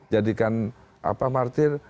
jadikan apa martir